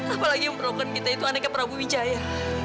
apalagi memperlukan kita itu aneka prabu wijaya